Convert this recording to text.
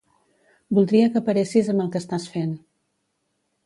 Voldria que paressis amb el que estàs fent.